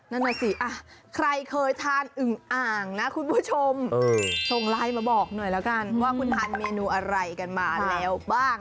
นั่นน่ะสิใครเคยทานอึงอ่างนะคุณผู้ชมส่งไลน์มาบอกหน่อยแล้วกันว่าคุณทานเมนูอะไรกันมาแล้วบ้าง